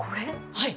はい。